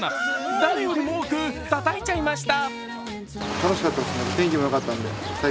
誰よりも多くたたいちゃいました。